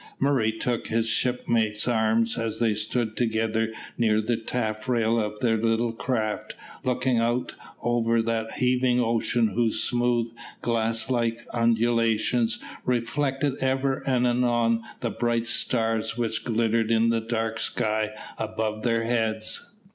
Murray took his shipmate's arm as they stood together near the taffrail of their little craft, looking out over that heaving ocean whose smooth, glass like undulations reflected ever and anon the bright stars which glittered in the dark sky above their heads.